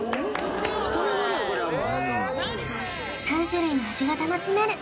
３種類の味が楽しめる